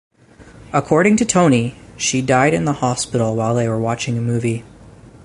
According to Tony, she died in the hospital while they were watching a movie.